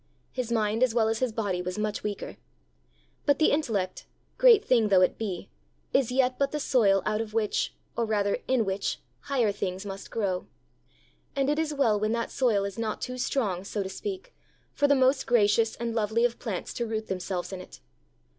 His mind as well as his body was much weaker. But the intellect, great thing though it be, is yet but the soil out of which, or rather in which, higher things must grow, and it is well when that soil is not too strong, so to speak, for the most gracious and lovely of plants to root themselves in it.